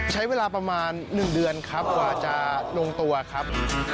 ใช้เวลาประมาณ๑เดือนครับกว่าจะลงตัวครับ